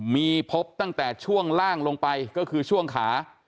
มีพบตั้งแต่ช่วงล่างลงไปก็คือช่วงขา